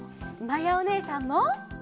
まやおねえさんも！